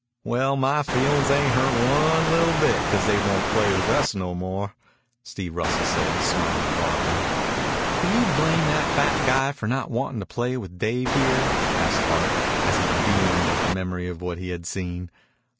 "Well, my feelin's ain't hurt one li'l' bit because they won't play with us no more," Steve Russell said, smiling broadly. "Can you blame that fat guy for not wantin' to play with Dave here?" asked Hart, and he beamed at the memory of what he had seen.